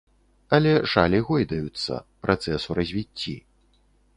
Але шалі гойдаюцца, працэс у развіцці.